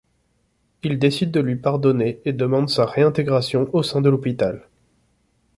Il décide de lui pardonner et demande sa réintégration au sein de l'hôpital.